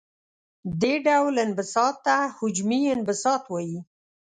دې ډول انبساط ته حجمي انبساط وايي.